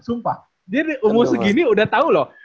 sumpah dia umur segini udah tahu loh